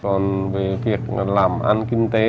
còn về việc làm ăn kinh tế